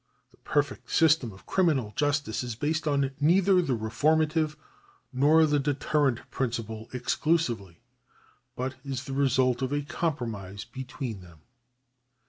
The per fect system of criminal justice is based on neither the reforma tive nor the deterrent principle exclusively, but is the result of a compromise between them.